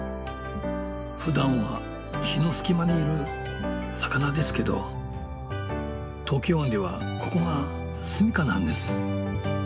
ふだんは石の隙間にいる魚ですけど東京湾ではここが住みかなんです。